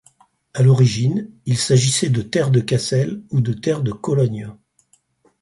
À l'origine, il s'agissait de terre de Cassel ou de terre de Cologne.